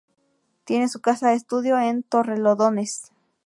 Tiene su casa estudio en Torrelodones.